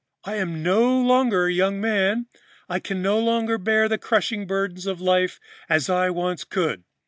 I am no longer a young man. I can no longer bear the crushing burden of life as I once could.